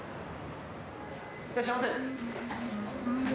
いらっしゃいませ。